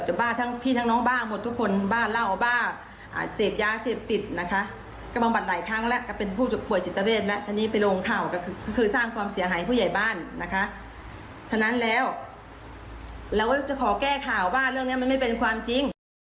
ฉะนั้นแล้วเราจะขอแก้ข่าวว่าเรื่องเนี้ยมันไม่เป็นความจริง